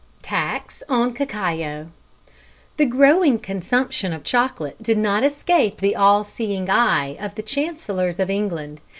Tax on Cacao. The growing consumption of chocolate did not escape the all seeing eye of the Chancellors of England.